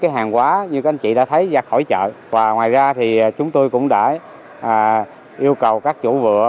hàng quá như các anh chị đã thấy ra khỏi chợ và ngoài ra thì chúng tôi cũng đã yêu cầu các chủ vựa